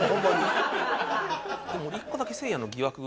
でも１個だけせいやの疑惑。